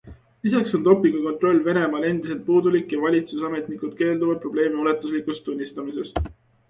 Lisaks on dopingukontroll Venemaal endiselt puudulik ja valitsusametnikud keelduvad probleemi ulatuslikkust tunnistamast.